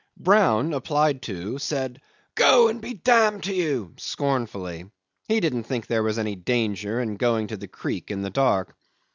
Brown applied to, said, "Go, and be d d to you," scornfully. He didn't think there was any danger in going to the creek in the dark.